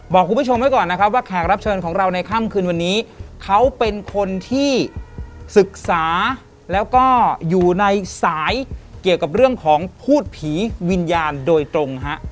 บอกคุณผู้ชมไว้ก่อนนะครับว่าแขกรับเชิญของเราในค่ำคืนวันนี้เขาเป็นคนที่ศึกษาแล้วก็อยู่ในสายเกี่ยวกับเรื่องของพูดผีวิญญาณโดยตรงฮะ